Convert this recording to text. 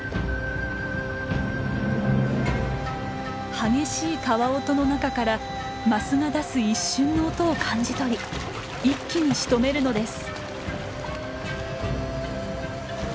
激しい川音の中からマスが出す一瞬の音を感じ取り一気にしとめるのです。